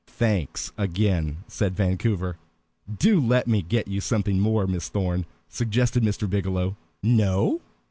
"Thanks, again," said Vancouver. "Do let me get you something more, Miss Thorn," suggested Mr. Biggielow. "No?